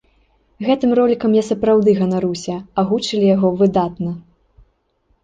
Гэтым ролікам я сапраўды ганаруся, агучылі яго выдатна!